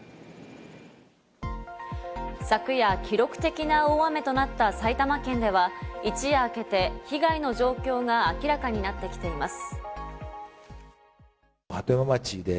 昨夜、記録的な大雨となった埼玉県では一夜明けて被害の状況が明らかになってきています。